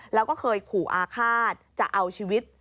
แล้วก็เคยขู่อาฆาตจะเอาชีวิต